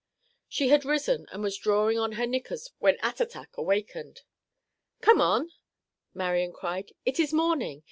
She had risen and was drawing on her knickers when Attatak awakened. "Come on," Marian cried, "it is morning.